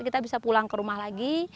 kita bisa pulang ke rumah lagi